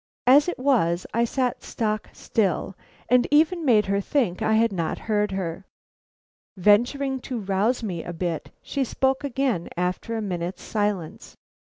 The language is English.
As it was I sat stock still, and even made her think I had not heard her. Venturing to rouse me a bit, she spoke again after a minute's silence.